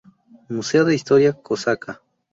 Museo de historia cosaca.